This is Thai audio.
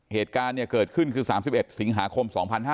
เหตุการณ์เกิดขึ้นคือ๓๑สิงหาคม๒๕๕๙